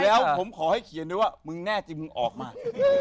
แล้วผมขอให้เขียนด้วยว่ามึงแน่จริงมึงออกมา